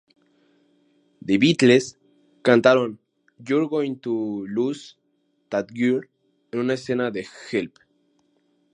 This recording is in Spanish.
The Beatles cantaron "You're Going to Lose That Girl" en una escena de "Help!